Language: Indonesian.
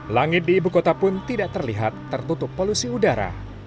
langit di ibu kota pun tidak terlihat tertutup polusi udara